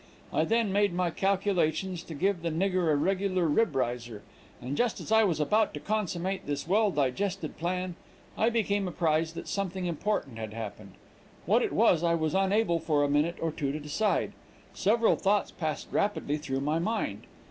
I then made my calculations to give the nigger a regular rib riser, and just as I was about to consummate this well digested plan, I became apprised that something important had happened; what it was I was unable for a minute or two to decide; several thoughts passed rapidly through my mind.